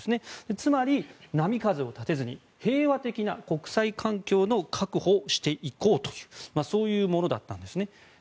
つまり、波風を立てず平和的な国際環境の確保をしていこうというものでした。